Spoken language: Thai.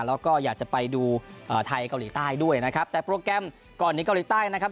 แล้วก็อยากจะไปดูอ่าไทยเกาหลีใต้ด้วยนะครับแต่โปรแกรมก่อนนี้เกาหลีใต้นะครับ